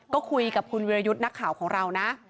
ก็คุยกับคุณวิรยุทธ์นักข่าวของเรานะ